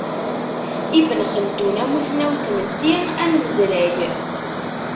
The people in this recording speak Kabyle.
Ibn Xeldun; amusnaw n tmetti anmezray.